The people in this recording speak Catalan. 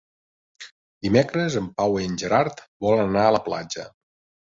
Dimecres en Pau i en Gerard volen anar a la platja.